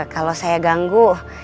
kalau saya ganggu